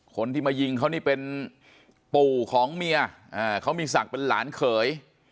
คนที่มายิงเขานี่เป็นปู่ของเมียเขามีศักดิ์เป็นหลานเขย